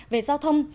về giao thông